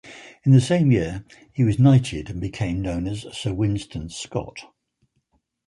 In the same year he was knighted and became known as Sir Winston Scott.